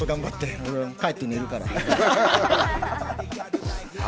俺、帰って寝るから！